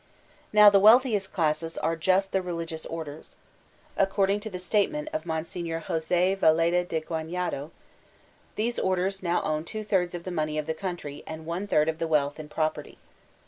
Now, the wealthiest classes are just the religious or ders. According to the statement of Monsignor Jose Valeda de Gunjado, these orders own ^two thirds of the money of the country and one third of the wealth in prop erty.